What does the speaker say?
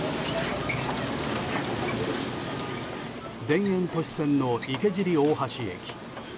田園都市線の池尻大橋駅。